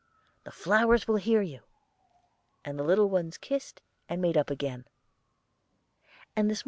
the flowers will hear you;' and the little ones kissed and made up again.